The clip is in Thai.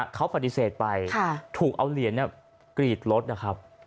เขาปฏิเสธไปถูกเอาเหรียญกรีดรถนะครับ